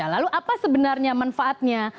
lalu apa sebenarnya manfaatnya